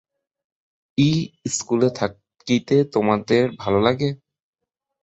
ইস্কুলে থাকিতে তোমার ভালো লাগে?